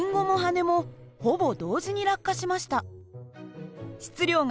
３つともほぼ同時に落下しました。